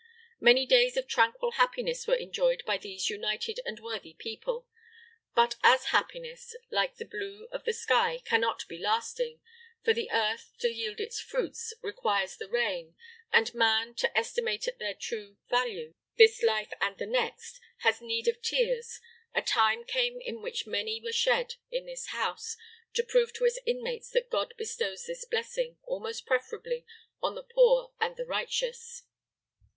Many days of tranquil happiness were enjoyed by these united and worthy people; but as happiness, like the blue of the sky, cannot be lasting, for the earth, to yield its fruits, requires the rain, and man, to estimate at their true value this life and the next, has need of tears, a time came in which many were shed in this house, to prove to its inmates that God bestows this blessing, almost preferably, on the poor and the righteous.